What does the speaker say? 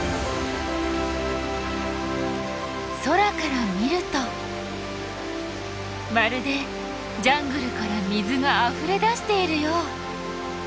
空から見るとまるでジャングルから水があふれ出しているよう。